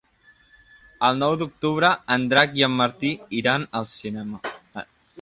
El nou d'octubre en Drac i en Martí iran al cinema.